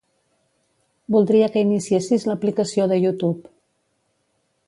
Voldria que iniciessis l'aplicació de YouTube.